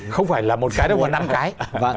không phải là một cái đâu mà năm cái